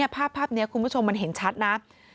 ภาพนี้คุณผู้ชมมันเห็นชัดนะ